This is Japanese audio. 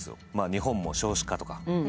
日本も少子化とか。